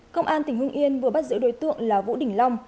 công an tỉnh hưng yên vừa bắt giữ đối tượng là vũ đình long